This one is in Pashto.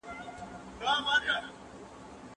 لښتې په خپلو تورو لاسو د نغري لرګي مات کړل.